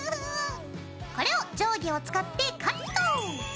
これを定規を使ってカット！